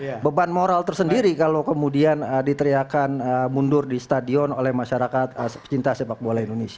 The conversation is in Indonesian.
jadi ini kan beban moral tersendiri kalau kemudian diteriakan mundur di stadion oleh masyarakat cinta sepak bola indonesia